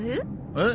えっ？